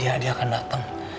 iya adi akan datang